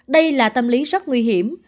đây là tâm lý rất nguy hiểm